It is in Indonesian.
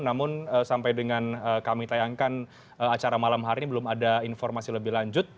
namun sampai dengan kami tayangkan acara malam hari ini belum ada informasi lebih lanjut